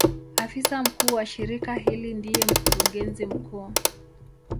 Afisa mkuu wa shirika hili ndiye Mkurugenzi mkuu.